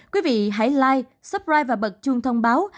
quý vị hãy like subscribe và bật chuông thông báo